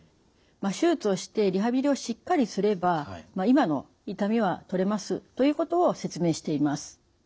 手術をしてリハビリをしっかりすれば今の痛みはとれますということを説明しています。